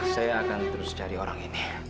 saya akan terus cari orang ini